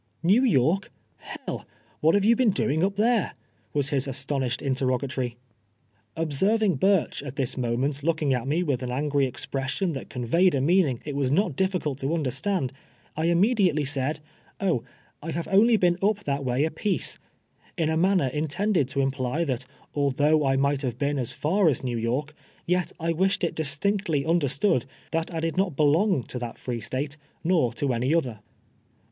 '• Xew York I II — 1 ! what have you been doing up there i' was his astonished interrogatory. Observing Burcli at this moment looking at me with an angry expression that conveyed a meaning it was not difficult to understand, I immediately said, " O, I have only been up that way a piece,'" in a manner intended to imply that although I might have been as far as Xew York, yet I wished it distinctly understood that I did not belong to that free State, nor to any other.